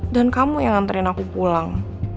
dan kamu yang anterin aku pulang